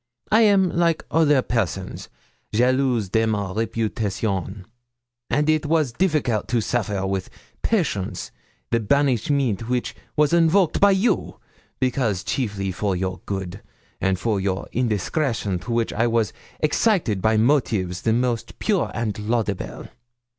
I am, like other persons, jalouse de ma réputation; and it was difficult to suffer with patience the banishment which was invoked by you, because chiefly for your good, and for an indiscretion to which I was excited by motives the most pure and laudable.